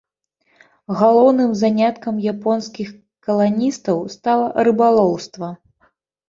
Галоўным заняткам японскіх каланістаў стала рыбалоўства.